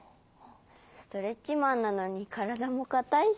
ストレッチマンなのにからだもかたいし。